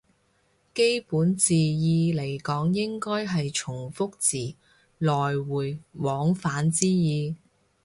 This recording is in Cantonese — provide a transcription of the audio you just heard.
基本字義嚟講應該係從復字，來回往返之意